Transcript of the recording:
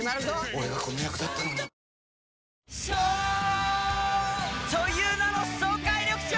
俺がこの役だったのに颯という名の爽快緑茶！